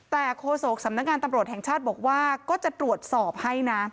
แต่โฆษกสำนักงานตำรวจแห่งชาติบอกว่าก็จะตรวจสอบให้นะ